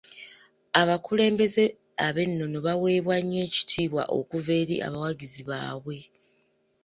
Abakulembeze ab'ennono baweebwa nnyo ekitiibwa okuva eri abawagizi baabwe.